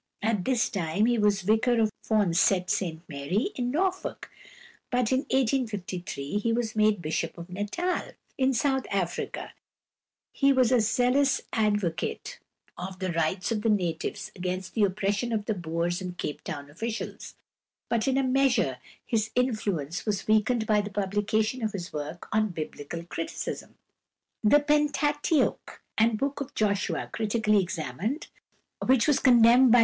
At this time he was vicar of Forncett St Mary, in Norfolk, but in 1853 he was made Bishop of Natal. In South Africa he was a zealous advocate of the rights of the natives against the oppression of the Boers and Cape Town officials; but in a measure his influence was weakened by the publication of his work on Biblical criticism, "The Pentateuch and Book of Joshua Critically Examined," which was condemned by both Houses of Convocation as heretical.